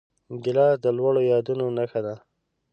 ګیلاس د لوړو یادونو نښه ده.